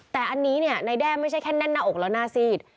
แต่อันนี้เนี่ยในแด้ไม่ใช่แค่แน่นหน้าอกแล้วหน้าซีด